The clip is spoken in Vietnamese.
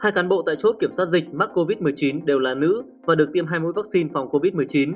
hai cán bộ tại chốt kiểm soát dịch mắc covid một mươi chín đều là nữ và được tiêm hai mũi vaccine phòng covid một mươi chín